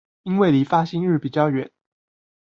因為離發薪日比較遠